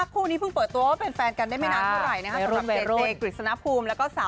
คู่นี้เพิ่งเปิดตัวว่าเป็นแฟนกันได้ไม่นานเท่าไร